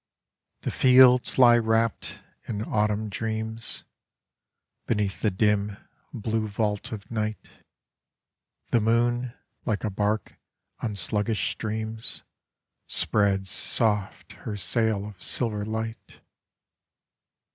The fields lie wrapt in autumn dreans, Beneath the din, blue vault of night, The moon, like a hark on sluggish streams, Spreads soft her sail of silver light.